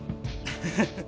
ハハハ。